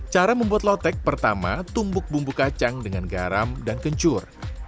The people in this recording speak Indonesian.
cara membuat lotek pertama tumbuk bumbu kacang dengan garam dan kencur